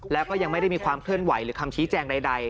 แล้วก็ยังไม่ได้มีความเคลื่อนไหวหรือคำชี้แจงใด